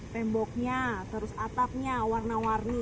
temboknya terus atapnya warna warni